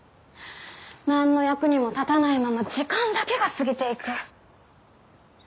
なんの役にも立たないまま時間だけが過ぎていく。